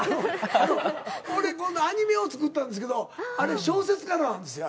あの俺今度アニメを作ったんですけどあれ小説からなんですよ。